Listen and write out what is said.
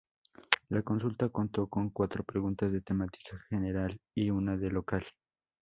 La consulta contó con cuatro preguntas de temática general y una de local.